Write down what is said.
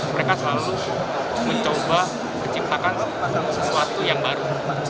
mereka selalu mencoba menciptakan sesuatu yang baru